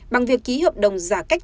bằng việc ký hợp đồng giả cách